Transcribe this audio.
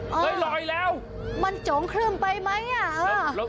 เฮ้ยลอยแล้วมันจงขึ้นไปไหมอ่ะ